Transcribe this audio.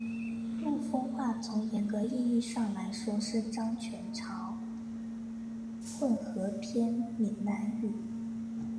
陆丰话从严格意义上来说是漳泉潮混合片闽南语。